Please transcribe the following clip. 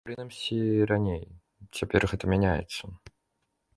Прынамсі раней, цяпер гэта мяняецца.